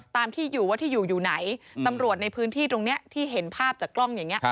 ตามที่อยู่ว่าที่อยู่อยู่ไหนตำรวจในพื้นที่ตรงนี้ที่เห็นภาพจากกล้องอย่างนี้